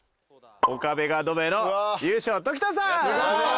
岡部がドベの優勝は常田さん。